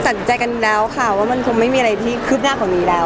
ก็ตัดใจกันแล้วค่ะว่ามันคงไม่มีอะไรที่คืบหน้าของมีแล้ว